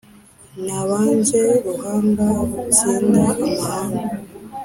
nabanze ruhanga rutsinda amahanga,